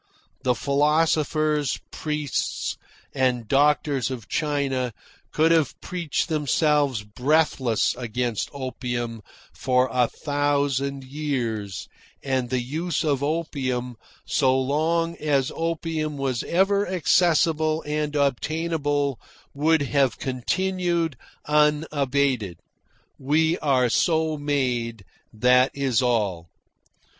The philosophers, priests, and doctors of China could have preached themselves breathless against opium for a thousand years, and the use of opium, so long as opium was ever accessible and obtainable, would have continued unabated. We are so made, that is all.